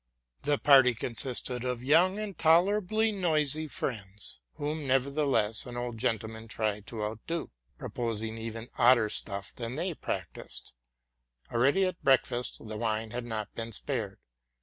The party consisted of young and tolerably noisy friends, whom, nevertheless, an old gentleman tried to outdo, propos ing even odder stuff than they practised. Already, at break fast, the wine had not been spared.